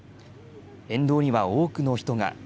沿道には多くの人が。